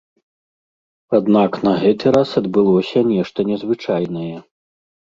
Аднак на гэты раз адбылося нешта незвычайнае.